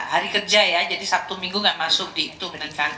hari kerja ya jadi sabtu minggu nggak masuk di itu bener kan